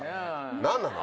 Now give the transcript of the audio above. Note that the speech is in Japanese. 何なの？